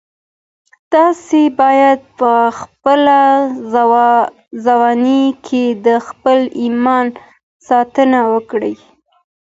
تاسي باید په خپله ځواني کي د خپل ایمان ساتنه وکړئ.